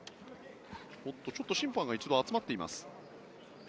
ちょっと審判が一度集まっています。